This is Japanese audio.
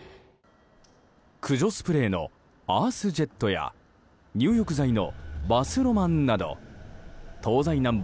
駆除スプレーのアースジェットや入浴剤のバスロマンなど東西南北